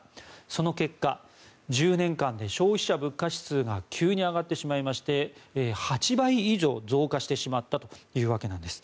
その結果、１０年間で消費者物価指数が急に上がってしまいまして８倍以上増加してしまったというわけなんです。